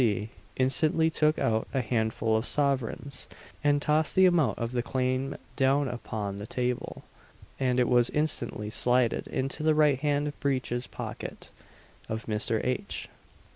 C. instantly took out a handful of sovereigns, and tossed the amount of the claim down upon the table; and it as instantly slided into the right hand breeches pocket of Mr. H.